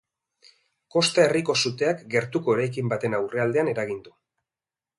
Kosta herriko suteak gertuko eraikin baten aurrealdean eragin du.